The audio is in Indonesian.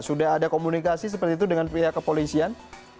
sudah ada komunikasi seperti itu dengan pihak kepolisian